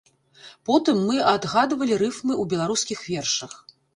Потым мы адгадвалі рыфмы ў беларускіх вершах.